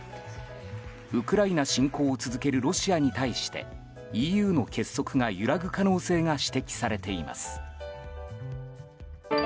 ウクライナ侵攻を続けるロシアに対してＥＵの結束が揺らぐ可能性が指摘されています。